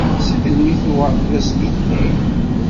Si melmi i tuɣaleḍ d azdukli?